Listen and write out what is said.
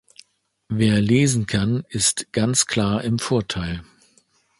Wer lesen kann ist ganz klar im Vorteil!